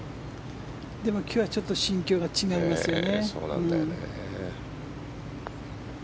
でも今日はちょっと心境が違いますよね。